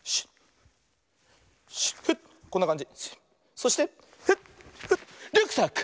そしてフッフッリュックサック！